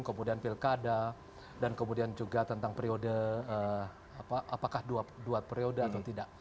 kemudian pilkada dan kemudian juga tentang periode apakah dua periode atau tidak